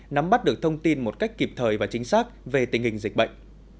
nắm bắt được thông tin một cách kịp thời và chính xác về tình hình dịch bệnh